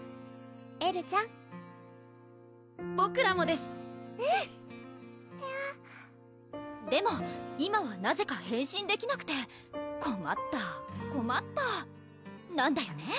エルちゃんボクらもですうんでも今はなぜか変身できなくてこまったこまったなんだよね？